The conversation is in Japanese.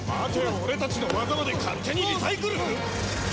俺たちの技まで勝手にリサイクル！？